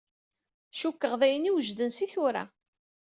Cukkeɣ d ayen iwejden si tura.